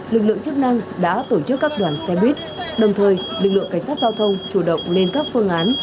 lực lượng chức năng đã tổ chức các đoàn xe buýt đồng thời lực lượng cảnh sát giao thông chủ động lên các phương án